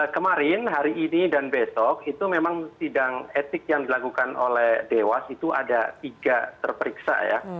kemarin hari ini dan besok itu memang sidang etik yang dilakukan oleh dewas itu ada tiga terperiksa ya